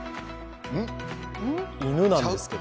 犬なんですけど。